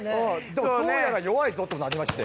「どうやら弱いぞとなりまして」